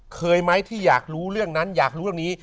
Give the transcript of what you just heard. เคยไหมที่อยากรู้เรื่องนั้นอยากรู้เรื่องนี้